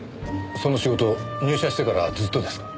その仕事入社してからずっとですか？